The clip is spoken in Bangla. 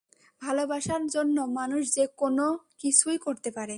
ভালোবাসার জন্য মানুষ যে কোনও কিছুই করতে পারে।